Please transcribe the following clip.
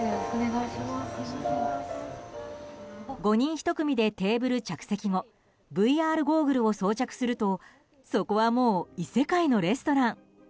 ５人１組でテーブル着席後ＶＲゴーグルを装着するとそこはもう異世界のレストラン。